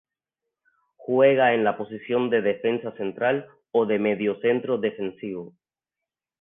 Juega en la posición de defensa central o de mediocentro defensivo.